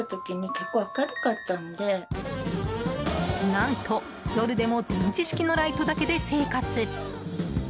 何と、夜でも電池式のライトだけで生活。